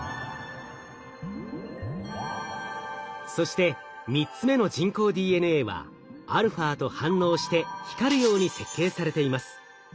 そして３つ目の人工ＤＮＡはαと反応して光るように設計されています。